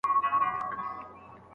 آیا تا د مارکوپولو سفرنامه لوستلې ده؟